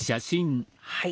はい。